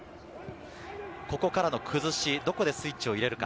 ここからの崩し、どこでスイッチを入れるか。